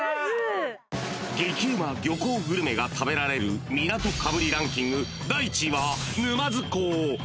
［激うま漁港グルメが食べられる港かぶりランキング］